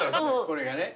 これがね